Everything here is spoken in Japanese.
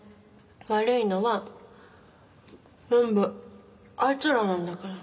悪いのは全部あいつらなんだから。